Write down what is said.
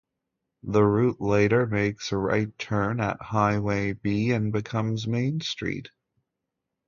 The route later makes a right turn at "Highway B" and becomes Main Street.